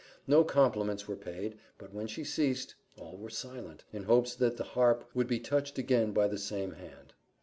No compliments were paid; but when she ceased, all were silent, in hopes that the harp would be touched again by the same hand.